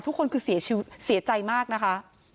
ทุกคนคือเสียใจมากนะคะ